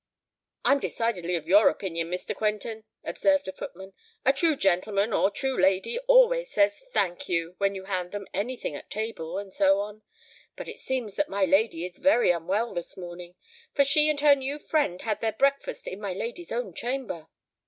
"I'm decidedly of your opinion, Mr. Quentin," observed a footman. "A true gentleman or true lady always says 'Thank you,' when you hand them any thing at table, and so on. But it seems that my lady is very unwell this morning; for she and her new friend had their breakfast in my lady's own chamber."